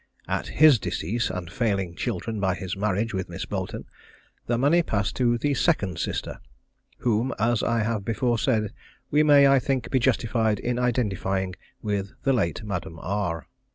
At his decease, and failing children by his marriage with Miss Boleton, the money passed to the second sister, whom, as I have before said, we may, I think, be justified in identifying with the late Madame R.